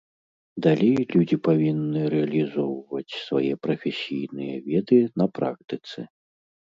Далей людзі павінны рэалізоўваць свае прафесійныя веды на практыцы.